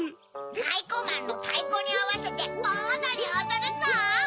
タイコマンのたいこにあわせてぼんおどりおどるゾウ！